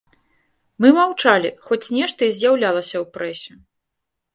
Мы маўчалі, хоць нешта і з'яўлялася ў прэсе.